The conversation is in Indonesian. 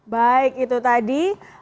baik itu tadi